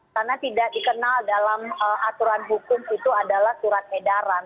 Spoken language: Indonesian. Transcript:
karena tidak dikenal dalam aturan hukum itu adalah surat edaran